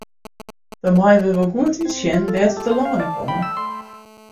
Dan meie we wol goed útsjen wêr't we telâne komme.